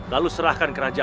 lalu serahkan kerajaan